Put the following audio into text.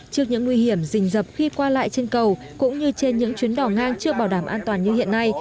trước những nguy hiểm rình dập khi qua lại trên cầu cũng như trên những chuyến đỏ ngang chưa bảo đảm an toàn như hiện nay